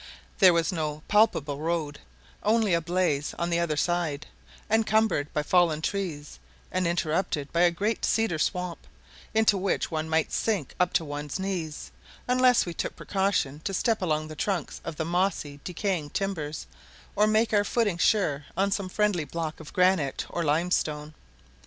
There was no palpable road, only a blaze on the other side, encumbered by fallen trees, and interrupted by a great cedar swamp, into which one might sink up to one's knees, unless we took the precaution to step along the trunks of the mossy, decaying timbers, or make our footing sure on some friendly block of granite or limestone.